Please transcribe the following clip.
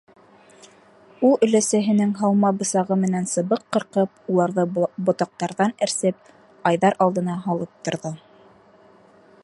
Ул өләсәһенең һалма бысағы менән сыбыҡ ҡырҡып, уларҙы ботаҡтарҙан әрсеп, Айҙар алдына һалып торҙо.